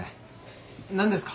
何ですか？